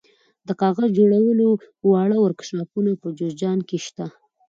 د کاغذ جوړولو واړه ورکشاپونه په جوزجان کې شته.